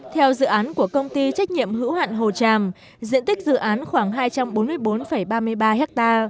theo dự án của công ty trách nhiệm hữu hạn hồ tràm diện tích dự án khoảng hai trăm bốn mươi bốn ba mươi ba ha